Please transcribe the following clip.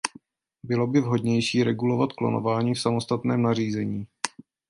Bylo by vhodnější regulovat klonování v samostatném nařízení.